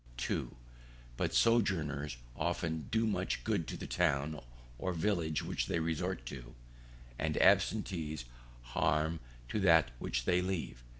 2. But sojourners often do much good to the town or village which they resort to, and absentees harm to that which they leave.